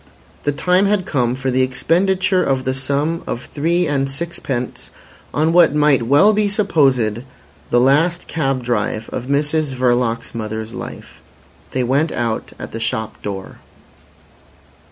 The time had come for the expenditure of the sum of three and sixpence on what might well be supposed the last cab drive of Mrs Verloc's mother's life. They went out at the shop door.